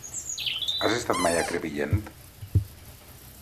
Has estat mai a Crevillent?